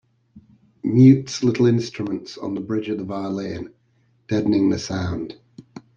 Mutes little instruments on the bridge of the violin, deadening the sound.